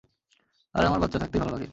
আর আমার বাচ্চা থাকতেই ভালো লাগে।